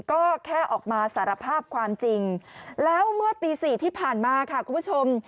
ก็แค่ออกมาสารภาพความจริงแล้วเมื่อตี๔ที่ผ่านมาค่ะคุณผู้ชม